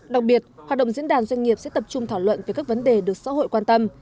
đặc biệt hoạt động diễn đàn doanh nghiệp sẽ tập trung thảo luận về các vấn đề được xã hội quan tâm